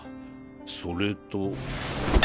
それと。